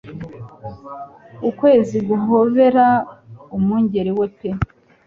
Ukwezi guhobera umwungeri we pe